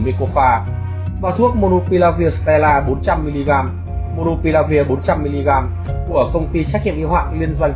mycofa và thuốc monopilavir stella bốn trăm linh mg monopilavir bốn trăm linh mg của công ty trách nhiệm yêu hạn liên doanh